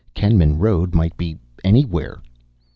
Kenman Road might be anywhere.